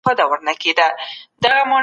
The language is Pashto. دورکهایم له ارقامو ګټه واخیسته.